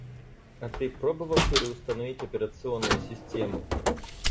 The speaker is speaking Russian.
А ты пробовал переустановить операционную систему?